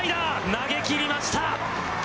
投げ切りました！